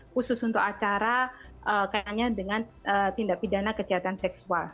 khusus untuk acara kaitannya dengan tindak pidana kejahatan seksual